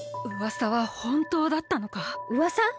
うわさはほんとうだったのか。うわさ？